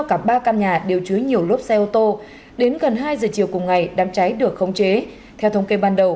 cả ba căn nhà đều chứa nhiều lốp xe ô tô đến gần hai giờ chiều cùng ngày đám cháy được khống chế theo thống kê ban đầu